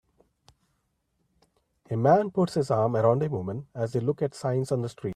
A man puts his arm around a woman as they look at signs on the street.